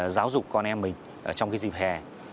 giáo dục con em mình trong dịp hè